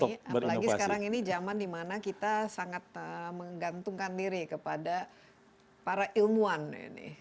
apalagi sekarang ini zaman dimana kita sangat menggantungkan diri kepada para ilmuwan ini